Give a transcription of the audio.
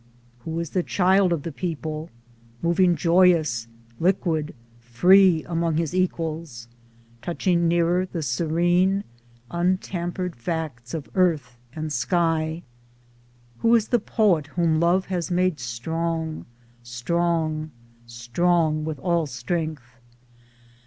Who is the child of the people, moving joyous, liquid, free, among his equals, touching nearest the serene un tampered facts of earth and sky? Who is the poet whom love has made strong strong strong with all strength?